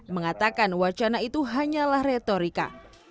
mengatakan wacana itu hanyalah retorika